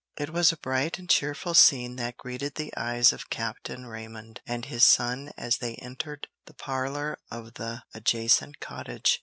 Tupper. It was a bright and cheerful scene that greeted the eyes of Captain Raymond and his son as they entered the parlor of the adjacent cottage.